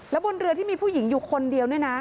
แล้วบนเรือที่มีผู้หญิงอยู่คนเดียวเนี่ยนะ